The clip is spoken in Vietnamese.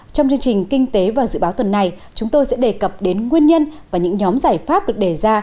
trong chương trình kinh tế và dự báo tuần này chúng tôi sẽ đề cập đến nguyên nhân và những nhóm giải pháp được đề ra